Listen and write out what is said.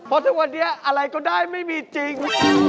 เพราะทุกวันนี้อะไรก็ได้ไม่มีจริง